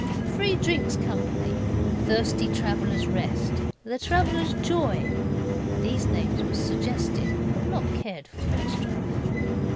'Free Drinks Company.' 'Thirsty Travellers' Rest.' 'The Travellers' Joy.' These names were suggested, but not cared for extra.